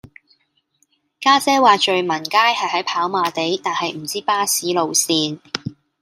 家姐話聚文街係喺跑馬地但係唔知巴士路線